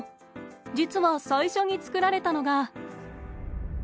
実は最初に作られたのが。